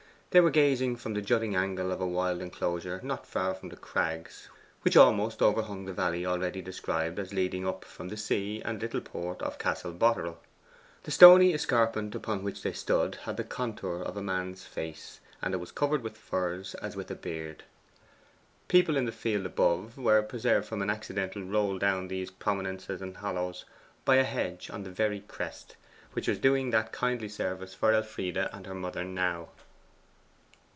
They were gazing from the jutting angle of a wild enclosure not far from The Crags, which almost overhung the valley already described as leading up from the sea and little port of Castle Boterel. The stony escarpment upon which they stood had the contour of a man's face, and it was covered with furze as with a beard. People in the field above were preserved from an accidental roll down these prominences and hollows by a hedge on the very crest, which was doing that kindly service for Elfride and her mother now.